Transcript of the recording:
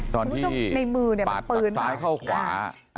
ตอนที่ปาดจากซ้ายเข้าขวา